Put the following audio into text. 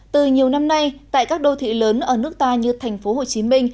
từ nhiều năm nay tại các đô thị lớn ở nước ta như tp hcm